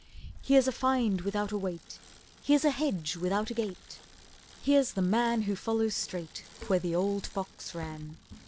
Here's a find without await! Here's a hedge without a gate! Here's the man who follows straight, Where the old fox ran.